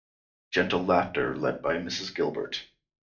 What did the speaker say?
Gentle laughter led by Mrs. Gilbert.